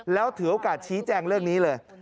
แล้วถือโอกาสชี้แจงเรื่องนี้เลย